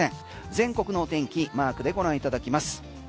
全国のお天気マークでご覧いただきます。